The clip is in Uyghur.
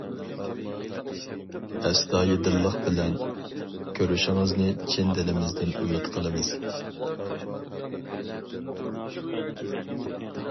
ئەستايىدىللىق بىلەن كۆرۈشىڭىزنى چىن دىلىمىزدىن ئۈمىد قىلىمىز.